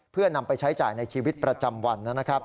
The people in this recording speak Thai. เพื่อนำไปใช้จ่ายในชีวิตประจำวันนะครับ